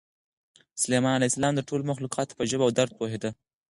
سلیمان علیه السلام د ټولو مخلوقاتو په ژبه او درد پوهېده.